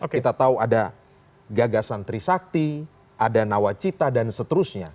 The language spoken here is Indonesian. kita tahu ada gagasan trisakti ada nawacita dan seterusnya